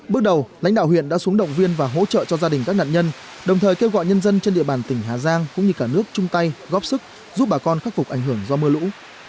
bước đầu lãnh đạo huyện đã xuống động viên và hỗ trợ cho gia đình các nạn nhân đồng thời kêu gọi nhân dân trên địa bàn tỉnh hà giang cũng như cả nước chung tay góp sức giúp bà con khắc phục ảnh hưởng do mưa lũ